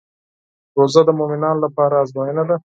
روژه د مؤمنانو لپاره ازموینه ده.